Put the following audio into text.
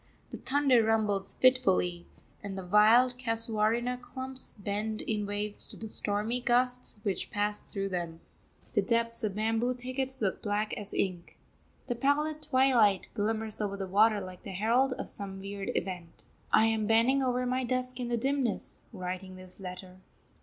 The thunder rumbles fitfully, and the wild casuarina clumps bend in waves to the stormy gusts which pass through them. The depths of bamboo thickets look black as ink. The pallid twilight glimmers over the water like the herald of some weird event. I am bending over my desk in the dimness, writing this letter.